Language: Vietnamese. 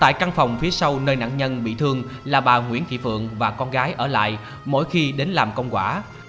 tại căn phòng phía sau nơi nạn nhân bị thương là bà nguyễn thị phượng và con gái ở lại mỗi khi đến làm công quả